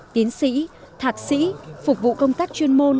tiến sĩ thạc sĩ phục vụ công tác chuyên môn